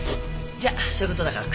じゃあそういう事だから。